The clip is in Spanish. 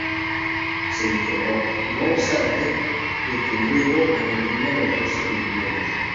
Se informó, no obstante, de que luego añadirían el resto de idiomas.